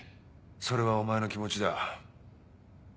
それはお前の気持ちだ。